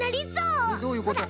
えっどういうこと？